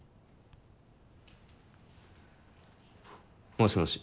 もしもし。